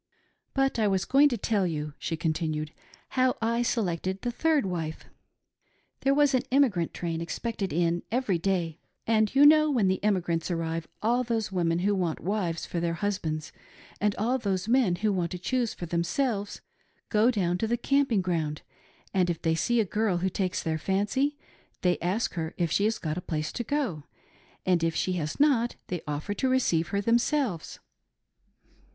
"But I was going to tell you," she continued, "how I selected the third wife. There was an emigrant train expected in every day ; and you know, when the emigrants arrive, all those women who want wives for their husbands, and all those men who want tq choose for themselves, go down to the camping ground, and if they see a girl who takes their fancy, they ask her if she has got a place to go to, and if she has not they offer to receive her themselves.